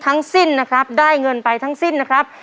ทั้งสิ้นนะครับได้เงินไปทั้งสิ้นนะครับ